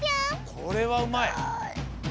これはうまい。